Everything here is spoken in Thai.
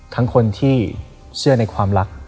ทั้งคนที่เชื่อในความรัก